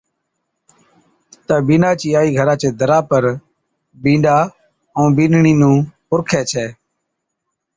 تہ بِينڏا چِي آئِي گھرا چي درا پر بِينڏا ائُون بِينڏڙِي نُون پُرکي ڇَي،